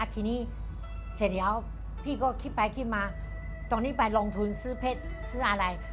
ทีนี้เสร็จแล้วพี่ก็คิดไปคิดมาตรงนี้ไปลงทุนซื้อเพชรซื้ออะไร